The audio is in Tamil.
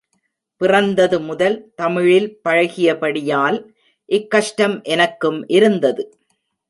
பிறந்தது முதல் தமிழில் பழகியபடி யால், இக் கஷ்டம் எனக்கும் இருந்தது.